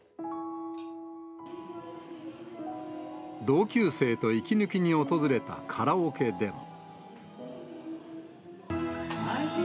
同級生と息抜きに訪れたカラオケでも。